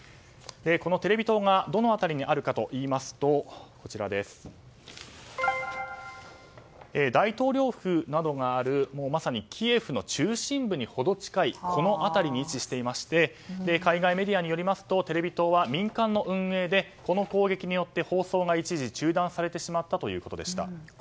テレビ塔がどの辺りにあるかといいますと大統領府などがあるまさにキエフの中心部に程近いこの辺りに位置していまして海外メディアによりますとテレビ塔は民間の運営でこの攻撃によって放送が一時中断されてしまったということでした。